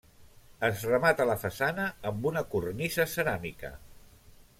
Es remata la façana amb una cornisa ceràmica.